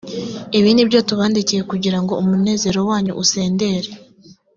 ibyo ni byo tubandikiye kugira ngo umunezero wanyu usendere